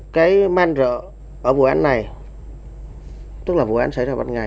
cái man rợ ở vụ án này tức là vụ án xảy ra bất ngà